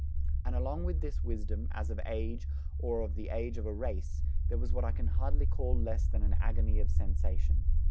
And along with this wisdom, as of age or of the age of a race, there was what I can hardly call less than an agony of sensation.